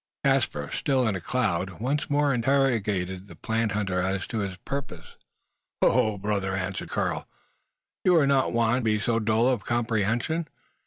Caspar, still in a cloud, once more interrogated the plant hunter as to his purpose. "Ho, brother!" answered Karl, "you are not wont to be so dull of comprehension.